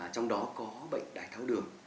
trong đó có bệnh đại tháo đường